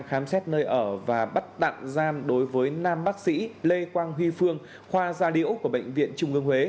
khám xét nơi ở và bắt tặng gian đối với nam bác sĩ lê quang huy phương khoa gia điệu của bệnh viện trung ương huế